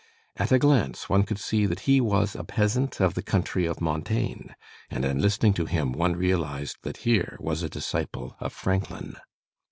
At a glance one could see that he was a peasant of the country of Montaigne, and in listening to him one realized that here was a disciple of Franklin."